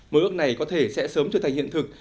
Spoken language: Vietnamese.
mơ ước này có thể sẽ sớm trở thành hiện thực